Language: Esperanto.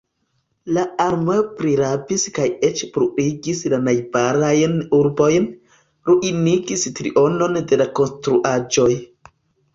La armeo prirabis kaj eĉ bruligis la najbarajn urbojn, ruinigis trionon de la konstruaĵoj.